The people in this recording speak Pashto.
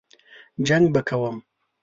جنګ به کوم.